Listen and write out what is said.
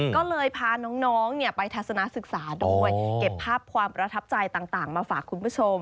ก็เลยพาน้องไปทัศนศึกษาด้วยเก็บภาพความประทับใจต่างมาฝากคุณผู้ชม